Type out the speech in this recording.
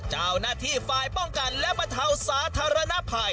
เจ้าหน้าที่ฝ่ายป้องกันและบรรเทาสาธารณภัย